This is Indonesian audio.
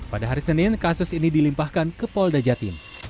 pada hari senin kasus ini dilimpahkan ke polda jatim